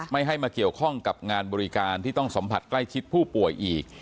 ไม่ให้มาเกี่ยวข้องกับงานบริการที่ต้องสัมผัสใกล้ชิดผู้ป่วยอีก